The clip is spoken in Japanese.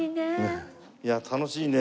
いや楽しいね。